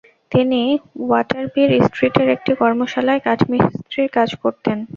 তিনি ওয়াটারবির স্ট্রিটের একটি কর্মশালায় কাঠমিস্ত্রির কাজ করতেন।